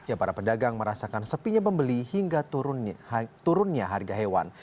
ya para pedagang merasakan sepinya pembeli hingga turunnya harga hewan